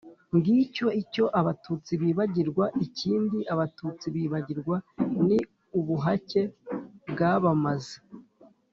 ngicyo icyo abatutsi bibagirwa. ikindi abatutsi bibagirwa ni ubuhake bwabamaze